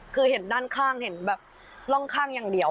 คือเห็นด้านข้างเห็นแบบร่องข้างอย่างเดียว